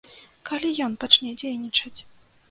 Калі ён пачне дзейнічаць?